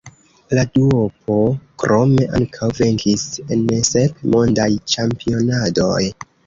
La duopo krome ankaŭ venkis en sep Mondaj Ĉampionadoj.